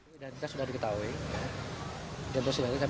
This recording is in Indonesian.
sebelum itu sp diketahui sudah diketahui